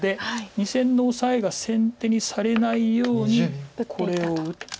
２線のオサエが先手にされないようにこれを打って。